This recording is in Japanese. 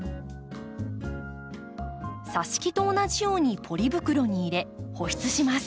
さし木と同じようにポリ袋に入れ保湿します。